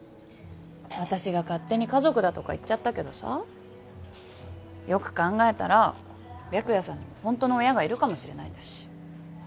私が勝手に家族だとか言っちゃったけどさよく考えたら白夜さんにもほんとの親がいるかもしれないんだし。